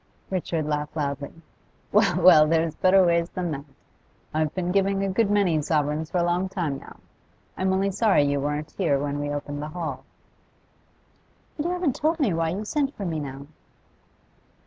Richard laughed loudly. 'Well, well, there's better ways than that. I've been giving a good many sovereigns for a long time now. I'm only sorry you weren't here when we opened the Hall.' 'But you haven't told me why you sent for me now.